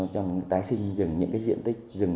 trong tái sinh rừng những diện tích rừng